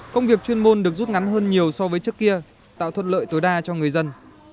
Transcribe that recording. công việc chuyên môn được rút ngắn hơn nhiều so với trước kia tạo thuật lợi tối đa cho người dân